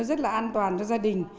an toàn cho gia đình